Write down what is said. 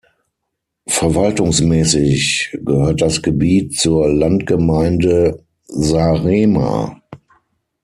Verwaltungsmäßig gehört das Gebiet zur Landgemeinde Saaremaa.